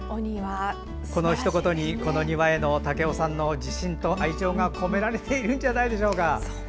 このひと言にこの庭への武男さんの自信と愛情が込められているんじゃないでしょうか。